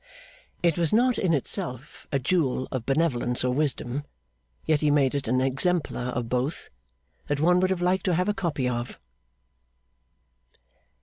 It was not in itself a jewel of benevolence or wisdom, yet he made it an exemplar of both that one would have liked to have a copy of.